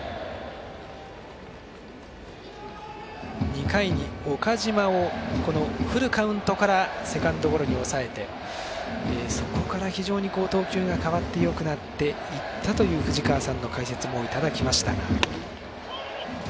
２回に岡島をフルカウントからセカンドゴロに抑えてそこから非常に投球が変わってよくなっていったという藤川さんの解説もいただきました。